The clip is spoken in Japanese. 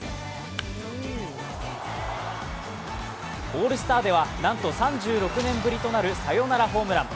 オールスターでは、なんと３６年ぶりとなるサヨナラホームラン。